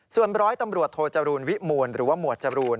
ส่วนร้อยตำรวจโทจรูลวิมูลหรือว่าหมวดจรูน